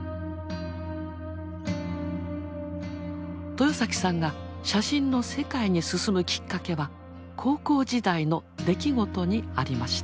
豊さんが写真の世界に進むきっかけは高校時代の出来事にありました。